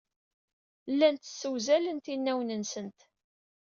Llant ssewzalent inawen-nsent.